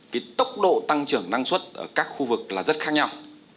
cái tốc độ tăng trưởng năng suất ở các khu vực là rất khác nhau